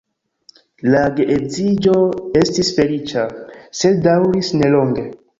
La geedziĝo estis feliĉa, sed daŭris nelonge.